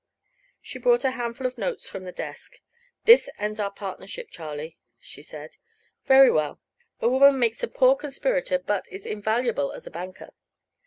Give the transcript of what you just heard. She brought a handful of notes from her desk. "This ends our partnership, Charlie," she said. "Very well. A woman makes a poor conspirator, but is invaluable as a banker."